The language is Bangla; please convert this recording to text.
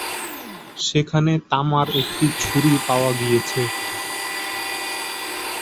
সেখানে তামার একটি ছুরি পাওয়া গিয়েছে।